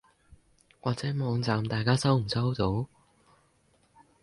或者網站大家收唔收到？